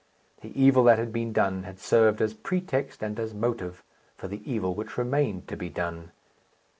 The evil that had been done had served as pretext and as motive for the evil which remained to be done.